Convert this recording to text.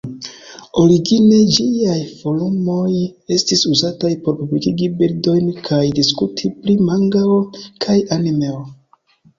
Origine ĝiaj forumoj estis uzataj por publikigi bildojn kaj diskuti pri mangao kaj animeo.